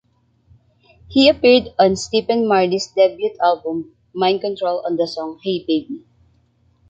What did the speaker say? He appeared on Stephen Marley's debut album "Mind Control" on the song "Hey Baby.